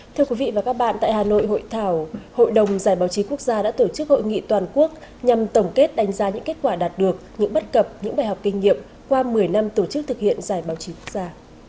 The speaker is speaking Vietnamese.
thưa quý vị và các bạn tại hà nội hội thảo hội đồng giải báo chí quốc gia đã tổ chức hội nghị toàn quốc nhằm tổng kết đánh giá những kết quả đạt được những bất cập những bài học kinh nghiệm qua một mươi năm tổ chức thực hiện giải báo chí quốc gia